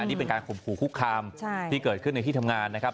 นี่เป็นการข่มขู่คุกคามที่เกิดขึ้นในที่ทำงานนะครับ